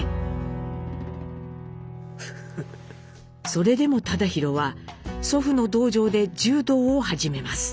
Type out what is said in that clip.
それでも忠宏は祖父の道場で柔道を始めます。